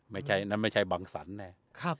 นั่นไม่ใช่บังสันแน่